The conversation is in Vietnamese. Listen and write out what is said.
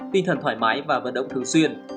tinh thần thoải mái và vận động thường xuyên